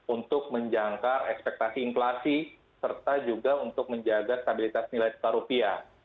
untuk menjangka ekspektasi inflasi serta juga untuk menjaga stabilitas nilai tukar rupiah